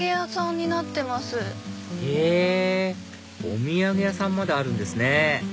お土産屋さんまであるんですね